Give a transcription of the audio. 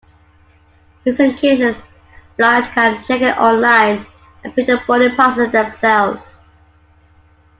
In some cases, flyers can check in online and print the boarding passes themselves.